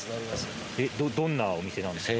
どんなお店なんですか？